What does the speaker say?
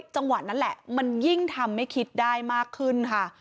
จังหวะนั้นแหละมันยิ่งทำให้คิดได้มากขึ้นค่ะ